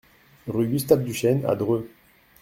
Rue Gustave Duchesne à Dreux